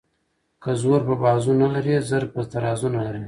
ـ که زور په بازو نه لري زر په ترازو نه لري.